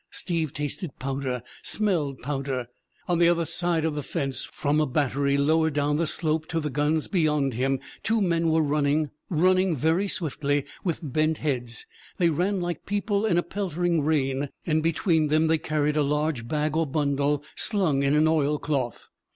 Steve tasted powder, smelled powder. On the other side of the fence, from a battery lower down the slope to the guns beyond him two men were running running very swiftly, with bent heads. They ran like people in a pelting raan and between them they carried a large bag or bundle, slung in an oilcloth.